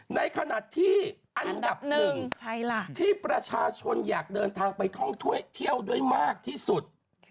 ในขณะที่อันดับหนึ่งที่ประชาชนอยากเดินทางไปท่องถ้วยเที่ยวด้วยมากที่สุด